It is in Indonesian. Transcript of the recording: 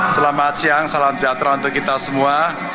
selamat siang salam sejahtera untuk kita semua